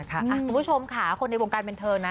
คุณผู้ชมค่ะคนในวงการบันเทิงนะ